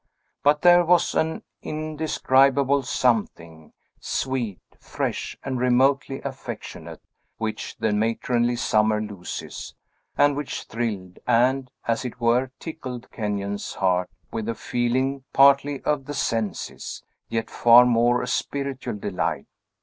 But there was an indescribable something, sweet, fresh, and remotely affectionate, which the matronly summer loses, and which thrilled, and, as it were, tickled Kenyon's heart with a feeling partly of the senses, yet far more a spiritual delight.